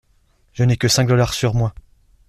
Je n’ai que cinq dollars sur moi.